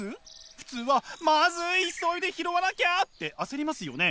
普通は「まずい急いで拾わなきゃ！」って焦りますよね？